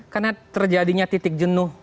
karena terjadinya titik jenuh